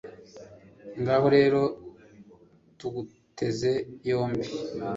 ngaho rero tuguteze yombi